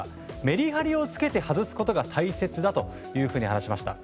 メリハリをつけて外すことが大切だというふうに話しました。